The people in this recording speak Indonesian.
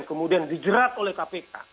kemudian dijerat oleh kpk